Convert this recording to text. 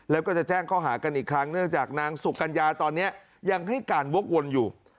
แล้วก็จะแจ้งข้อหากันอีกครั้งเนื่องจากนางสุกัญญาตอนนี้ยังให้การวกวนอยู่